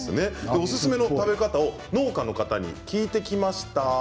おすすめの食べ方を農家の方に聞いてきました。